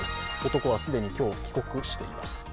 男は既に今日、帰国しています。